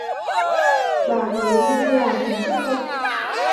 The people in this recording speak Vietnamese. Bà cứ như là thần chết vậy